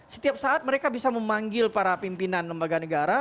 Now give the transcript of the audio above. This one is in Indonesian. setiap saat mereka bisa memanggil para pimpinan lembaga negara